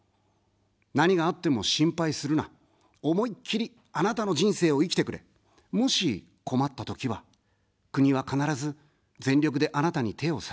何があっても心配するな、思いっきり、あなたの人生を生きてくれ、もし困ったときは、国は必ず全力であなたに手を差し伸べる。